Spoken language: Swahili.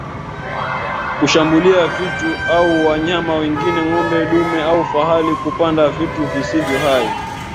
Kushambulia vitu au wanyama wengine ng'ombe dume au fahali kupanda vitu visivyo hai